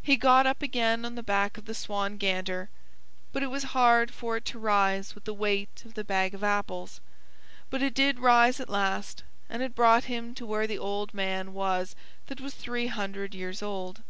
He got up again on the back of the Swan Gander, but it was hard for it to rise with the weight of the bag of apples. But it did rise at last, and it brought him to where the old man was that was three hundred years old.